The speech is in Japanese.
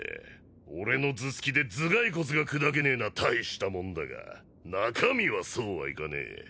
俺の頭突きで頭蓋骨が砕けねえのは大したもんだが中身はそうはいかねえ。